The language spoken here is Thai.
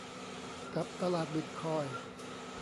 กับตลาดบิตคอยน์